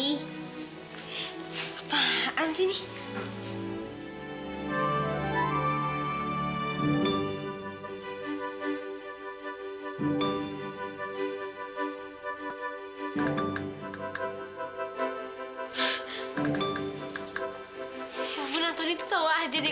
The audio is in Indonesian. ya ampun antoni tuh tau aja nih